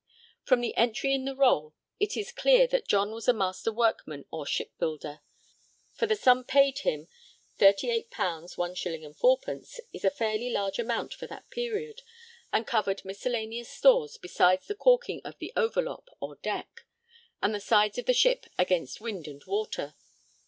From the entry in the Roll it is clear that John was a master workman or shipbuilder; for the sum paid him, 38_l._ 1_s._ 4_d._, is a fairly large amount for that period, and covered miscellaneous stores besides the caulking of the 'overlop' or deck, and the sides of the ship 'against wind and water.'